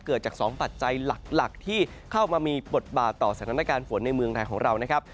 เกิดจาก๒ปัจจัยหลักที่เข้ามามีบทบาทต่อสถานการณ์ฝนในเมืองไทยของเรานะครับ